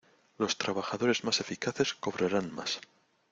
Los trabajadores más eficaces cobrarán más.